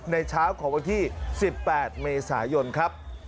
ในเช้าของวันที่๑๘เมษายนครับ